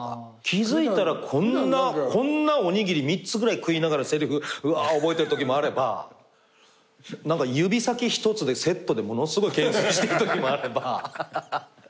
気付いたらこんなおにぎり３つぐらい食いながらせりふウワ覚えてるときもあれば何か指先一つでセットでものすごい懸垂してるときもあれば。